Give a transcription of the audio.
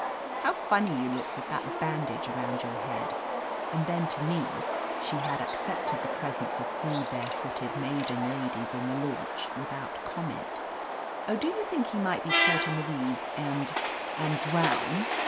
How funny you look with that ban dage around your head." And then, to me (she had accepted the presence of three bare 339 THE AMAZING ADVENTURES footed maiden ladies in the launch without comment) : "Oh, do you think he might be caught in the weeds and — ^and drown?'